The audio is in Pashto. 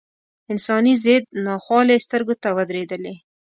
انساني ضد ناخوالې سترګو ته ودرېدلې.